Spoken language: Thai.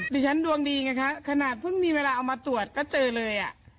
ดวงฉันดวงดีไงคะขนาดเพิ่งมีเวลาเอามาตรวจก็เจอเลยอ่ะ